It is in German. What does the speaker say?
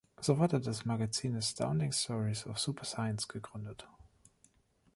So wurde das Magazin "Astounding Stories of Super Science" gegründet.